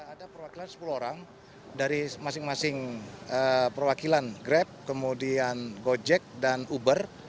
ada perwakilan sepuluh orang dari masing masing perwakilan grab kemudian gojek dan uber